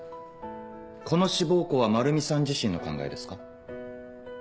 この志望校はまるみさん自身の考えですか？